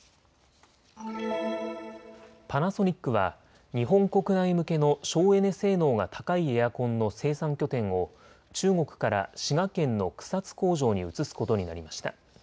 パナソニックは日本国内向けの省エネ性能が高いエアコンの生産拠点を中国から滋賀県の草津工場に移すことになりました。